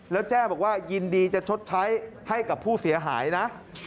แล้วแจ้งบอกว่ายินดีจะชดใช้ให้กับผู้เสียหายนะ